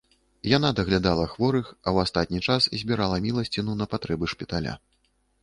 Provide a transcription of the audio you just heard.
Яна даглядала хворых, а ў астатні час збірала міласціну на патрэбы шпіталя.